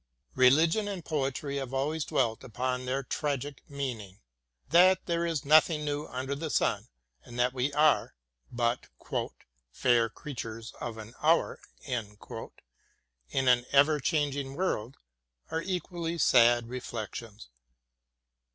Religion and poetry have always dwelt upon their tragic meaning. That there is nothing new under the sun and that we are but ''fair creatures of an hour" in an ever changing world, are equally sad reflections.